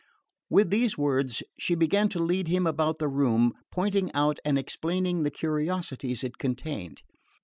With these words she began to lead him about the room, pointing out and explaining the curiosities it contained.